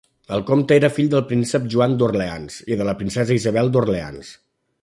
El comte era fill del príncep Joan d'Orleans i de la princesa Isabel d'Orleans.